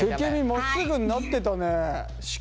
まっすぐになってたねしっかり。